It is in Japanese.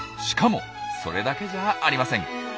しかもそれだけじゃありません。